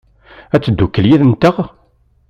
Ad teddukel yid-nteɣ?